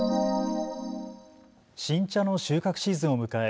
新茶の収穫シーズンを迎え